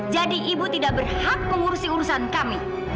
jadi ibu tidak berhak mengurusi urusan kami